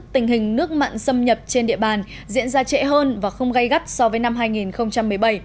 tình hình nước mặn xâm nhập trên địa bàn diễn ra trệ hơn và không gây gắt so với năm hai nghìn một mươi bảy